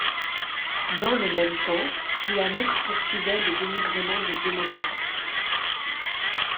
Dans le même temps, Sihanouk poursuivaient le dénigrement des démocrates.